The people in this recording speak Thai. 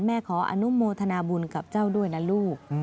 ขออนุโมทนาบุญกับเจ้าด้วยนะลูก